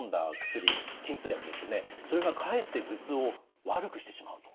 それがかえって頭痛を悪くしてしまうと。